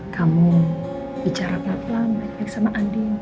kamu bicara pelan pelan baik baik sama andi